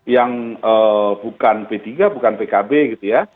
yang bukan p tiga bukan pkb gitu ya